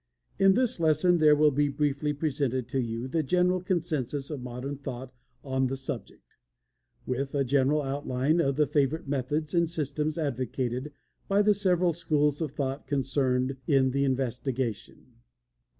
In this lesson there will be briefly presented to you the general consensus of modern thought on the subject, with a general outline of the favorite methods and systems advocated by the several schools of thought concerned in the investigation.